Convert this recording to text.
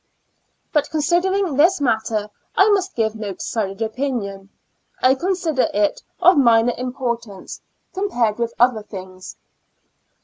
But concerning this matter, I must give no decided opinion ; I consider it of minor importance, compared with other things.